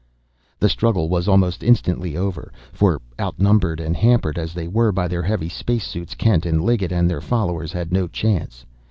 The struggle was almost instantly over, for, outnumbered and hampered as they were by their heavy space suits, Kent and Liggett and their followers had no chance.